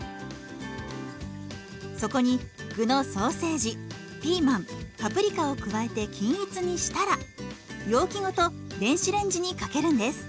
そこに具のソーセージピーマンパプリカを加えて均一にしたら容器ごと電子レンジにかけるんです。